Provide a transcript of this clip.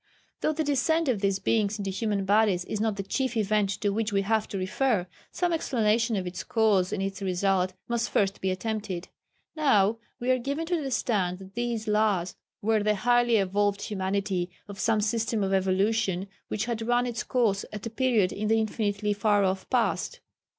Though the descent of these Beings into human bodies is not the chief event to which we have to refer, some explanation of its cause and its result must first be attempted. Now, we are given to understand that these Lhas were the highly evolved humanity of some system of evolution which had run its course at a period in the infinitely far off past.